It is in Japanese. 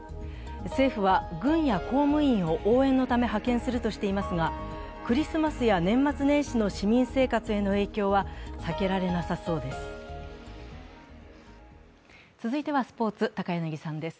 政府は軍や公務員を応援のため派遣するとしていますが、クリスマスや年末年始の市民生活への影響は避けられなさそうです。